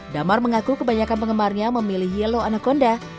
damar mengaku kebanyakan penggemarnya memilih yellow anaconda